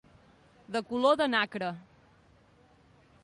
De color de nacre.